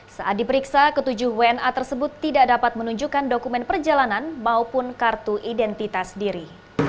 saat diperiksa ketujuh wna tersebut tidak dapat menunjukkan dokumen perjalanan maupun kartu identitas diri